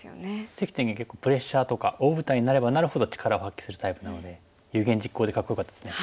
関天元結構プレッシャーとか大舞台になればなるほど力を発揮するタイプなので有言実行でかっこよかったですね。